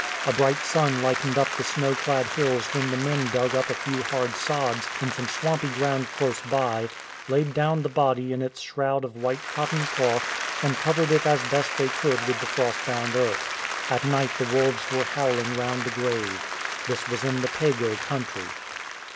A bright sun lightened up the snow clad hills when the men dug up a few hard sods in some swampy ground close by, laid down the body in its shroud of white cotton cloth, and covered it as best they could with the frost bound earth. At night the wolves were howling round the grave. This was in the Peigo country."